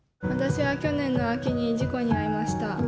私は去年の秋に事故に遭いました。